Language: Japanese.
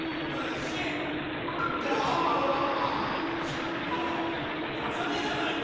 ちょっとダジャレじゃないか！